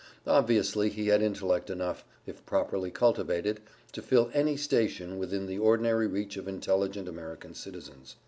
Obviously he had intellect enough, if properly cultivated, to fill any station within the ordinary reach of intelligent American citizens.